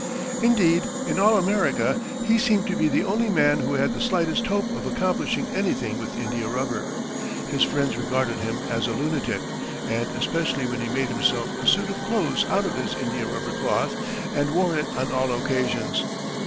Indeed, in all America he seemed to be the only man who had the slightest hope of accomplishing anything with India rubber. His friends regarded him as a lunatic, and especially when he made himself a suit of clothes out of his India rubber cloth, and wore it on all occasions.